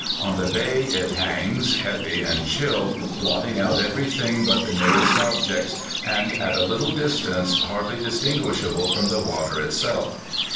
On the bay it hangs, heavy and chill, blotting out every thing but the nearest objects, and at a little distance hardly dis tinguishable from the water itself.